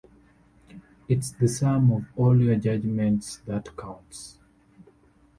It's the sum of all your judgments that counts.